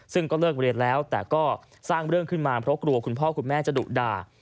ซึ่งก็เลิกเรียนแล้วแต่ก็สร้างเรื่องขึ้นมาเพราะกลัวคุณพ่อคุณแม่จะดุด่า